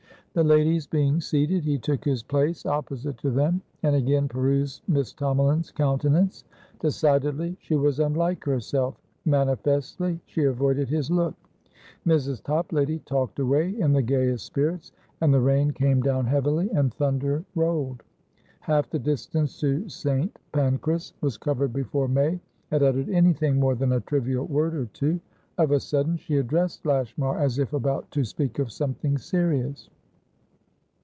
The ladies being seated, he took his place opposite to them, and again perused Miss Tomalin's countenance. Decidedly, she was unlike herself; manifestly, she avoided his look. Mrs. Toplady talked away, in the gayest spirits; and the rain came down heavily, and thunder rolled. Half the distance to St. Pancras was covered before May had uttered anything more than a trivial word or two. Of a sudden she addressed Lashmar, as if about to speak of something serious.